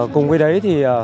cùng với đấy thì